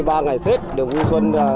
ba ngày tết được vui xuân